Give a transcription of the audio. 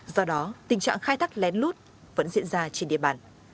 do đó tình trạng khai thác lén lút vẫn diễn ra trên địa bàn